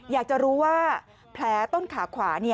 อยากจะรู้ว่าแผลต้นขาขวา